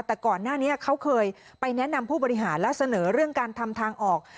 แต่ก่อนหน้านี้เขาเคยไปแนะนำผู้บริหารและเสนอเรื่องการทำทางออก